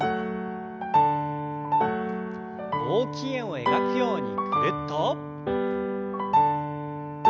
大きい円を描くようにぐるっと。